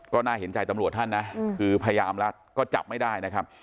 ก็น่าเห็นใจตำรวจท่านนะคือพยายามแล้วก็จับไม่ได้นะครับ